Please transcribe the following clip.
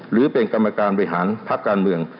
หรือเป็นกรรมการบริหารพักการเมือง